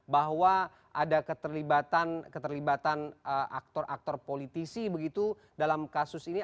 bahwa ada keterlibatan aktor aktor politisi begitu dalam kasus ini